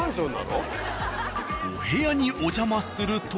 お部屋にお邪魔すると。